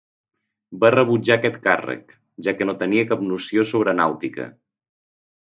Va rebutjar aquest càrrec, ja que no tenia cap noció sobre nàutica.